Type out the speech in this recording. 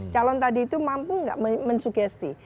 calon tadi itu mampu nggak mensugesti